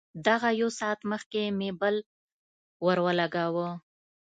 دغه يو ساعت مخکې مې بل ورولګاوه.